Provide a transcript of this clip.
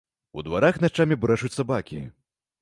У дварах начамі брэшуць сабакі.